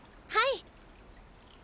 はい。